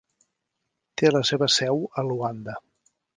Té la seva seu a Luanda.